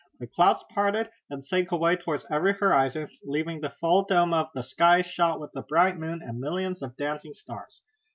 The clouds parted and sank away toward every horizon, leaving the full dome of the sky, shot with a bright moon and millions of dancing stars.